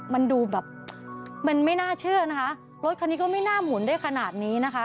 มันดูแบบมันไม่น่าเชื่อนะคะรถคันนี้ก็ไม่น่าหมุนได้ขนาดนี้นะคะ